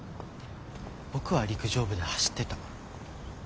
僕は陸上部で走ってた。